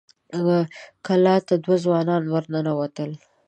کلا ته دوه ځوانان ور ننوتل.